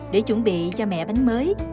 để chuẩn bị cho mẹ bánh mới